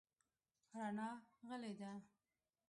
رڼا غلې ده .